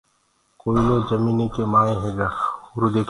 ڪوئلو جميٚنيٚ ڪي مآئينٚ هيگآ